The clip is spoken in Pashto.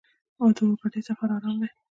د اورګاډي سفر ارام دی.